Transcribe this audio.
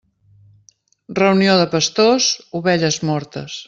Reunió de pastors, ovelles mortes.